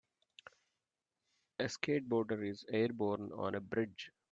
A skateboarder is airborne on a bridge.